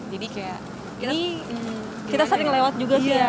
jadi kayak ini kita sering lewat juga sih ya